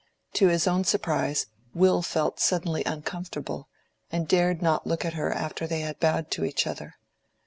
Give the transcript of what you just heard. To his own surprise Will felt suddenly uncomfortable, and dared not look at her after they had bowed to each other.